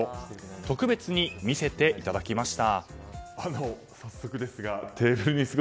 特別に見せていただきました。